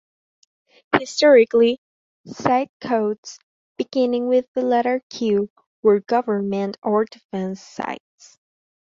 Historically, site codes beginning with the letter Q were government or defence sites.